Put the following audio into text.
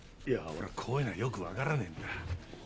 俺はこういうのはよく分からねえんだ。